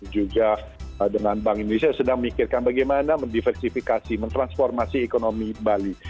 juga dengan bank indonesia sedang memikirkan bagaimana mendiversifikasi mentransformasi ekonomi bali